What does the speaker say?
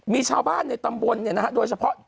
มีชาวบ้านในตำบลโดยเฉพาะ